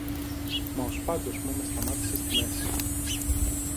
Μα ο σπάγος μου με σταμάτησε στη μέση.